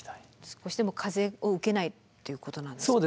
少しでも風を受けないということなんですか？